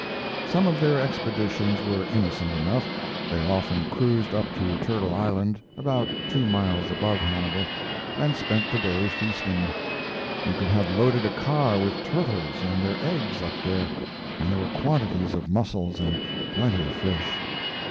Some of their expeditions were innocent enough. They often cruised up to Turtle Island, about two miles above Hannibal, and spent the day feasting. You could have loaded a car with turtles and their eggs up there, and there were quantities of mussels and plenty of fish.